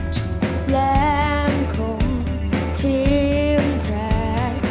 ขึ้นแรงข่มทิ้มแทง